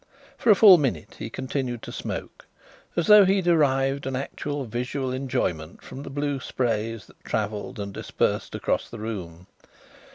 For a full minute he continued to smoke as though he derived an actual visual enjoyment from the blue sprays that travelled and dispersed across the room.